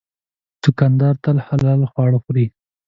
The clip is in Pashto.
دوکاندار تل حلال خواړه خوري.